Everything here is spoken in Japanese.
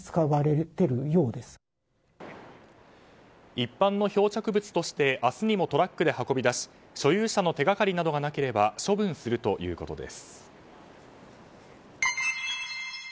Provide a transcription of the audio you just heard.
一般の漂着物として明日にもトラックで運び出し所有者の手がかりなどがなければ処分するということです。